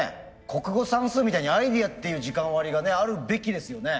国語算数みたいにアイデアっていう時間割りがねあるべきですよね。